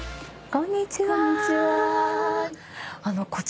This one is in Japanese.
こんにちは。